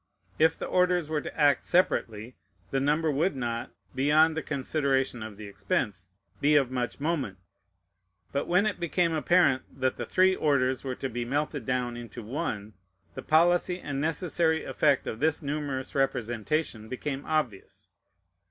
If the orders were to act separately, the number would not, beyond the consideration of the expense, be of much moment. But when it became apparent that the three orders were to be melted down into one, the policy and necessary effect of this numerous representation became obvious.